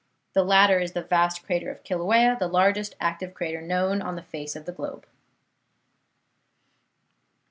The latter is the vast crater of Kilauea, the largest active crater known on the face of the globe.